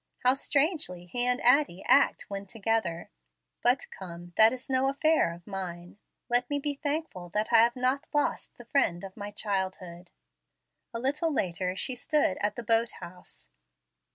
How strangely he and Addie act when together! But come, that is no affair of mine. Let me be thankful that I have not lost the friend of my childhood." A little later she stood at the boat house.